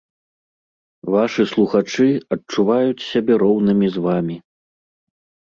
Вашы слухачы адчуваюць сябе роўнымі з вамі.